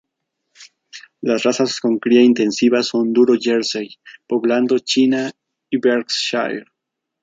Las razas con cría intensiva son Duro Jersey, Poblando China y Berkshire.